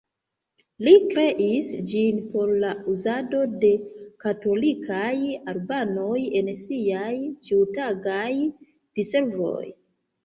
Li kreis ĝin por la uzado de katolikaj albanoj en siaj ĉiutagaj diservoj.